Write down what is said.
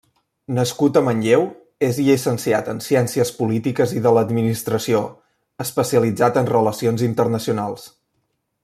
Nascut a Manlleu, és llicenciat en Ciències Polítiques i de l’Administració, especialitzat en Relacions Internacionals.